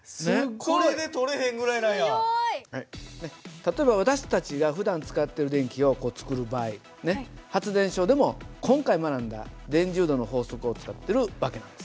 例えば私たちがふだん使ってる電気をこう作る場合発電所でも今回学んだ電磁誘導の法則を使ってる訳なんです。